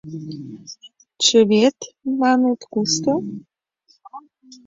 — Чывет, маныт, кушто?